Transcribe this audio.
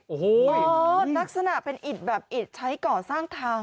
โอ้โหลักษณะเป็นอิดแบบอิดใช้ก่อสร้างทาง